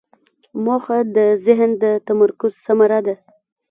موخه د ذهن د تمرکز ثمره ده.